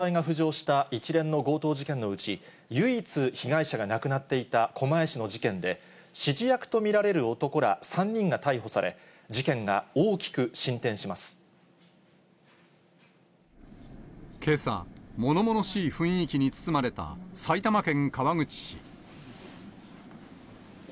ルフィなどの指示役の存在が浮上した、一連の強盗事件のうち、唯一、被害者が亡くなっていた狛江市の事件で、指示役と見られる男ら３人が逮捕され、事件が大きけさ、ものものしい雰囲気に包まれた埼玉県川口市。